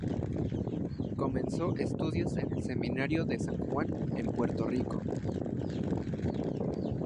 Comenzó estudios en el seminario de San Juan en Puerto Rico.